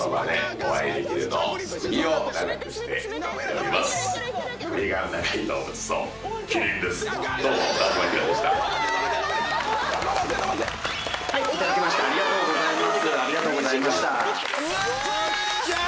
おめでとうございます！